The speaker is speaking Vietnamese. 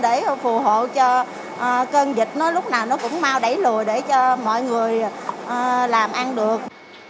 để phù hộ cho cơn dịch nó lúc nào nó cũng mau đẩy lùi để cho mọi người làm ăn được